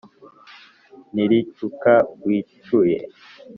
niricuka wicuye